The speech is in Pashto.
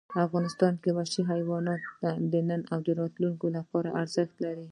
افغانستان کې وحشي حیوانات د نن او راتلونکي لپاره ارزښت لري.